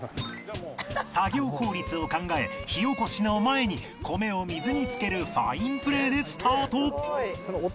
作業効率を考え火おこしの前に米を水に漬けるファインプレーでスタート